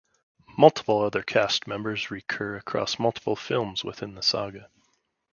Multiple other cast members recur across multiple films within the saga.